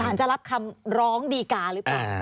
จะรับคำร้องดีการหรือเปล่า